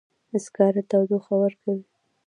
سکاره تودوخه ورکوي